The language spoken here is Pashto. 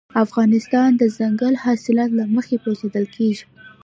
افغانستان د دځنګل حاصلات له مخې پېژندل کېږي.